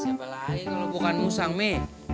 siapa lain kalau bukan musang mi